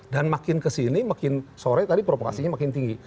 dan makin kesini makin sore tadi provokasinya makin tinggi